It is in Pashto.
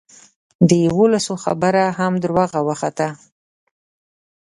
د یوولسو خبره هم دروغه وخته.